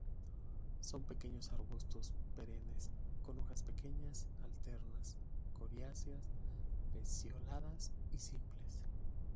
Son pequeños arbustos perennes con hojas pequeñas, alternas, coriáceas, pecioladas y simples.